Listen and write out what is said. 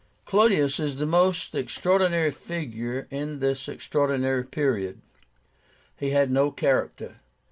"Clodius is the most extraordinary figure in this extraordinary period. He had no character.